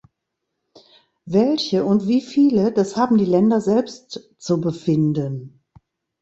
Welche und wie viele, das haben die Länder selbst zu befinden.